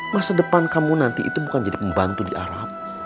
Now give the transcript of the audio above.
masa depan kamu nanti itu bukan jadi pembantu di arab